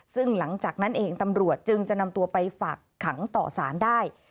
ซึ่งหลังจากนั้นเองตำรวจจึงจะนำตัวไปฝากขังต่อสารได้